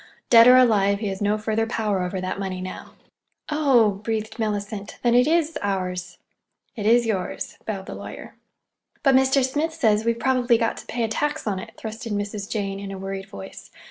Dead or alive, he has no further power over that money now." "Oh h!" breathed Mellicent. "Then it is—ours!" "It is yours," bowed the lawyer. "But Mr. Smith says we've probably got to pay a tax on it," thrust in Mrs. Jane, in a worried voice.